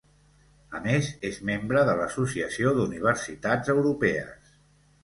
A més és membre de l'Associació d'Universitats Europees.